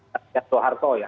tergantian soeharto ya